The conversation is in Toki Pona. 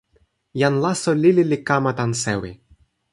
jan laso lili li kama tan sewi.